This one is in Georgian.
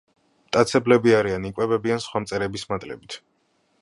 მტაცებლები არიან, იკვებებიან სხვა მწერების მატლებით.